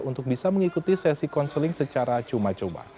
untuk bisa mengikuti sesi konseling secara cuma cuma